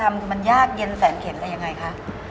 มันยากเย็นแสนเข็นอะไรยังไงคะ